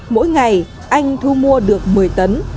mỗi ngày anh thu mua được một mươi tấn